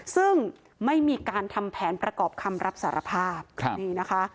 ซึ่งไม่มีการทำแผนประกอบคำรับสารภาพนี่นะคะ